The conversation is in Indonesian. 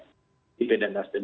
pdip dan nasdem